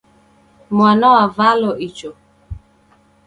Mwana wavalo icho